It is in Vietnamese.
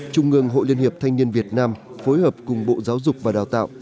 trung ương hội liên hiệp thanh niên việt nam phối hợp cùng bộ giáo dục và đào tạo